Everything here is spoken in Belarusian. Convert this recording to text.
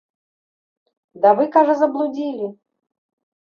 Да вы, кажа, заблудзілі.